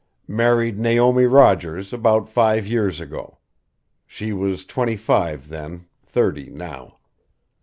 "Married Naomi Rogers about five years ago. She was twenty five then thirty now.